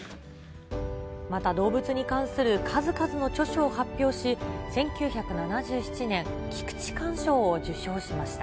また動物に関する数々の著書を発表し、１９７７年、菊池寛賞を受賞しました。